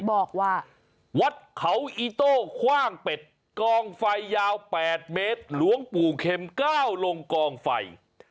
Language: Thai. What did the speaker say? บอกว่าวัดเขาอีโต้คว่างเป็ดกองไฟยาว๘เมตรหลวงปู่เข็มก้าวลงกองไฟ